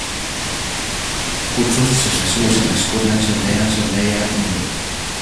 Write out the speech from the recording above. Cursó sus estudios en la Escuela Enseñanza Media nro.